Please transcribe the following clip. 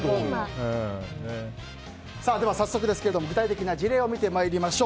早速、具体的な事例を見てまいりましょう。